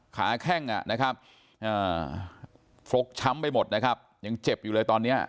แข้งอ่ะนะครับฟกช้ำไปหมดนะครับยังเจ็บอยู่เลยตอนนี้